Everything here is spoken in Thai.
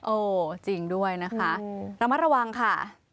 โอ้จริงด้วยนะคะระมัดระวังค่ะ